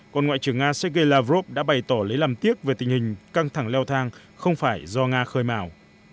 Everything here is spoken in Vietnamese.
còn ngoại trưởng nga sergei lavrov đã bày tỏ lấy làm tiếc về tình hình căng thẳng leo thang không phải do nga khơi màu